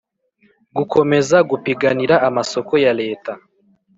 Gukomeza gupiganira amasoko ya leta